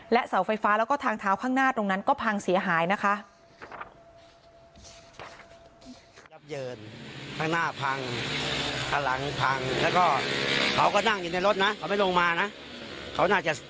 เสาไฟฟ้าแล้วก็ทางเท้าข้างหน้าตรงนั้นก็พังเสียหายนะคะ